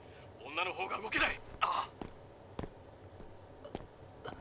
女のほうが動けない。